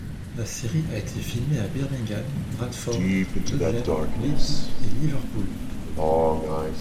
La série a été filmée à Birmingham, Bradford, Dudley, Leeds et Liverpool.